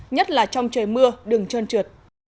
nhất là trong trời mưa đừng trơn trượt